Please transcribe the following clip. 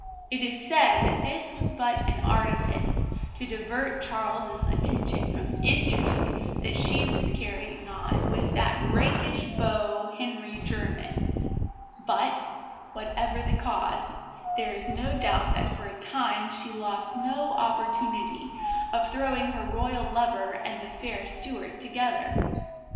It is said that this was but an artifice to divert Charles's attention from an intrigue that she was carrying on with that rakish beau, Henry Jermyn; but, whatever the cause, there is no doubt that for a time she lost no opportunity of throwing her Royal lover and the fair Stuart together.